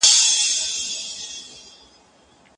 ملکیت د انسان ازادي ده.